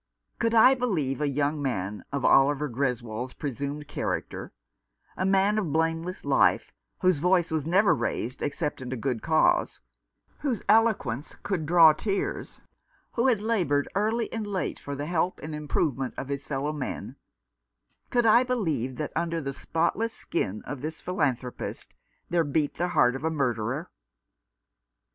Could I believe a young man of Oliver Greswold's presumed character — a man of blame less life, whose voice was never raised except in a good cause, whose eloquence could draw tears, who had laboured early and late for the help and improvement of his fellow men, — could I believe that under the spotless skin of this philanthropist there beat the heart of a murderer